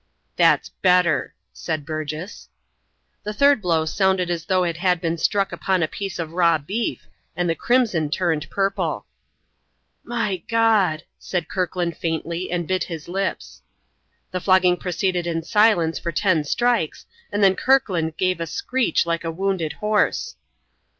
"That's better," said Burgess. The third blow sounded as though it had been struck upon a piece of raw beef, and the crimson turned purple. "My God!" said Kirkland, faintly, and bit his lips. The flogging proceeded in silence for ten strikes, and then Kirkland gave a screech like a wounded horse.